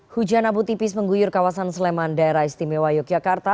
hujan abu tipis mengguyur kawasan sleman daerah istimewa yogyakarta